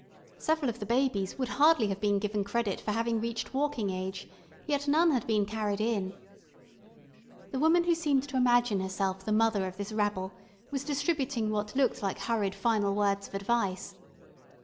Several of the babies would hardly have been given credit for having reached walking age, yet none had been carried in. The woman who seemed to imagine herself the mother of this rabble was distributing what looked like hurried final words of advice.